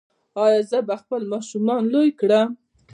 ایا زه به خپل ماشومان لوی کړم؟